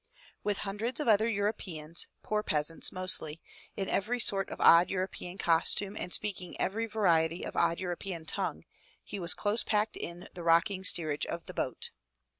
With hundreds of other Europeans, poor peasants mostly, in every sort of odd European costume and speaking every variety of odd European tongue, he was close packed in the rocking steerage of the boat.